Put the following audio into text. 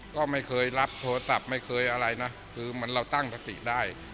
ก็ไม่เคยรับโทรศัพท์ไม่เคยอะไรนะคือเหมือนเราตั้งสติได้